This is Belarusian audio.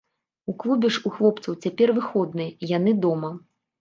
У клубе ж у хлопцаў цяпер выходныя, яны дома.